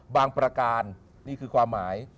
ประการนี่คือความหมาย